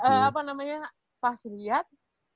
terus kayak apa namanya pas liat